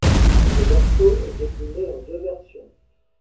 Le morceau est décliné en deux versions.